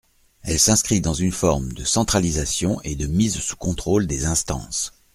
Elle s’inscrit dans une forme de centralisation et de mise sous contrôle des instances.